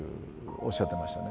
おっしゃってましたね。